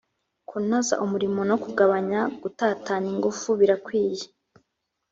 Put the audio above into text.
kunoza umurimo no kugabanya gutatanya ingufu birakwiye